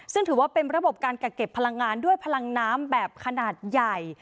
ซึ่งถือว่าเป็นระบบการกักเก็บพลังงานด้วยพลังน้ำแบบขนาดใหญ่